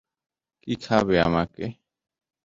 কী খাবে আমাকে?